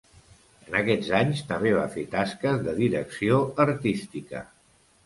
En aquests anys també va fer tasques de direcció artística.